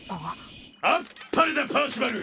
あっぱれだパーシバル！